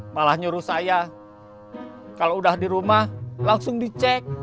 malah nyuruh saya kalau udah di rumah langsung dicek